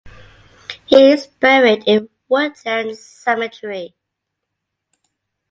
He is buried in Woodlands Cemetery.